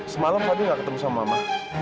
semalam tadi nggak ketemu sama mama